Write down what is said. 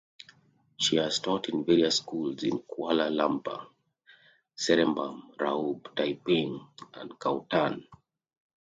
She has taught in various schools in Kuala Lumpur, Seremban, Raub, Taiping and Kuantan.